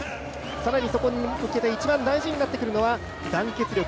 更にそこに向けて一番大事になってくるのは団結力。